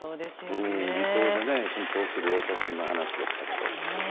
離島で奮闘するお医者さんの話でしたが。